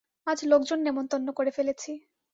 আজ লোকজন নেমন্তন্ন করে ফেলেছি।